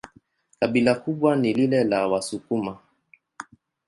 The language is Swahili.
Kabila kubwa ni lile la Wasukuma.